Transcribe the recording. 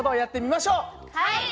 はい！